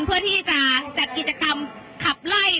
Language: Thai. เพื่อที่จะจัดกิจกรรมขับไล่